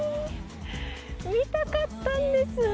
見たかったんです。